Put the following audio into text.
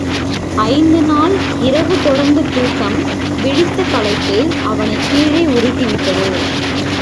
ஐந்து நாள் இரவு தொடர்ந்து தூக்கம் விழித்த களைப்பு அவனைக் கீழே உருட்டிவிட்டது.